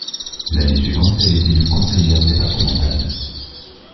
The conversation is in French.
L'année suivante, elle est élue conseillère départementale.